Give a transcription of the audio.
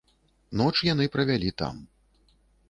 Ноч яны правялі там.